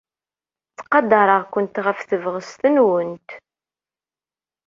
Ttqadareɣ-kent ɣef tebɣest-nwent.